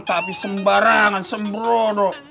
tapi sembarangan sembrono